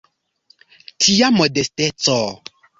Tia modesteco!